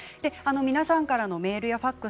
皆さんからのメールやファックス